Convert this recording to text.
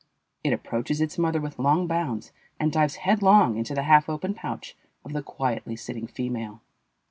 It approaches its mother with long bounds and dives headlong into the half open pouch of the quietly sitting female.